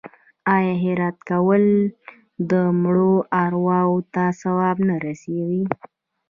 آیا خیرات کول د مړو ارواو ته ثواب نه رسوي؟